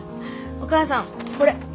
お母さんこれ。